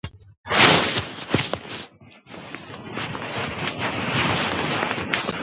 სწავლა გააგრძელა იელის უნივერსიტეტში, რომელიც ჰუმანიტარული მეცნიერებების ბაკალავრის ხარისხით დაასრულა.